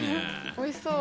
おいしそう。